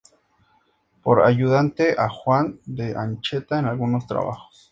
Tuvo por ayudante a Juan de Ancheta en algunos trabajos.